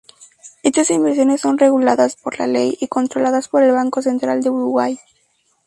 Estas inversiones son reguladas por ley y controladas por el Banco Central del Uruguay.